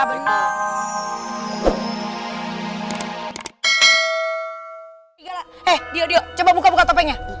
eh dio dio coba buka buka topengnya